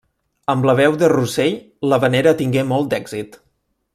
Amb la veu de Rossell, l'havanera tingué molt d'èxit.